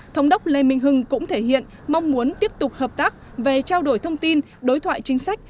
thống đốc lê minh hưng cũng thể hiện mong muốn tiếp tục hợp tác về trao đổi thông tin đối thoại chính sách